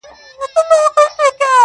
تا خو د خپل وجود زکات کله هم ونه ايستی.